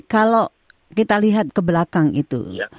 kalau kita lihat ke belakang itu